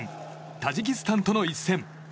タジキスタンとの一戦。